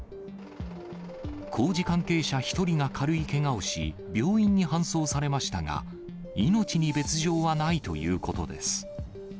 工事関係者１人が軽いけがをし、病院に搬送されましたが、命に別状はないということです。